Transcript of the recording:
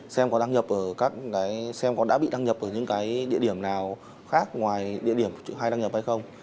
xem có đăng nhập ở các cái xem có đã bị đăng nhập ở những cái địa điểm nào khác ngoài địa điểm hay đăng nhập hay không